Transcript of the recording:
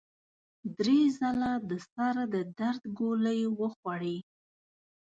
درې ځله د سر د درد ګولۍ وخوړې.